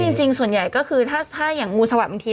จริงส่วนใหญ่ก็คือถ้าอย่างงูสวัสดิบางที